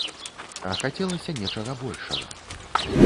А хацелася нечага большага.